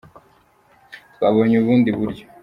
Twabonye ubundi buryo